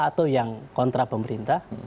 atau yang kontra pemerintah